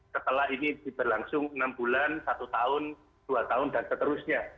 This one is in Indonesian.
setelah ini diberlangsung enam bulan satu tahun dua tahun dan seterusnya